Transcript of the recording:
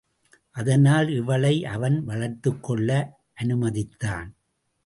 அதனால் இவளை அவன் வளர்த்துக்கொள்ள அனுமதித்தான்.